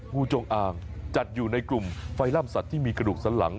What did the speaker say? งูจงอ่างจัดอยู่ในกลุ่มไฟล่ำสัตว์ที่มีกระดูกสันหลัง